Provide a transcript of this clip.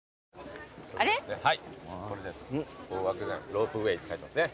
ロープウェイって書いてますね。